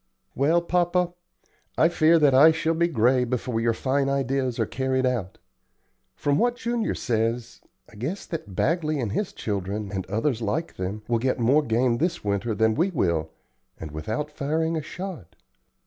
"Well, papa, I fear I shall be gray before your fine ideas are carried out. From what Junior says, I guess that Bagley and his children, and others like them, will get more game this winter than we will, and without firing a shot.